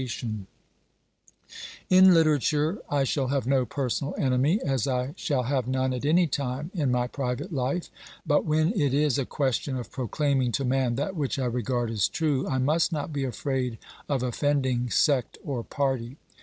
OBERMANN 347 In literature I shall have no personal enemy, as I shall have none at any time in my private life ; but when it is a question of proclaiming to man that which I regard as true, I must not be afraid of offending sect or party.